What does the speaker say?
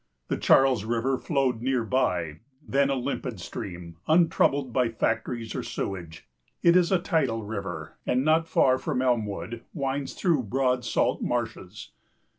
The Charles River flowed near by, then a limpid stream, untroubled by factories or sewage. It is a tidal river and not far from Elmwood winds through broad salt marshes.